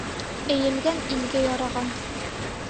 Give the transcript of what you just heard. Эйелгән илгә яраған.